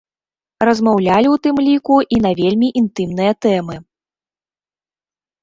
Размаўлялі, у тым ліку, і на вельмі інтымныя тэмы.